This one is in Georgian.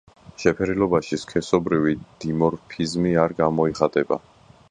შეფერილობაში სქესობრივი დიმორფიზმი არ გამოიხატება.